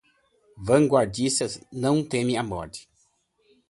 Vanguardistas não temem a morte